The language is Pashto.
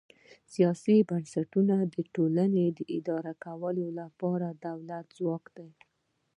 سیاسي بنسټونه د ټولنې د اداره کولو لپاره د دولت ځواک دی.